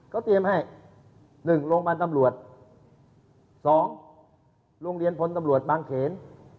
เขาเตรียมให้๑โรงพยาบาลตำรวจ๒โรงเรียนพลตำรวจบางเขน